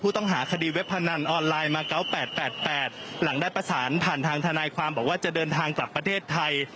ต้องหาคดีเว็บพนันออนไลน์มา๙๘๘หลังได้ประสานผ่านทางทนายความบอกว่าจะเดินทางกลับประเทศไทย